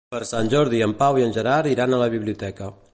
Per Sant Jordi en Pau i en Gerard iran a la biblioteca.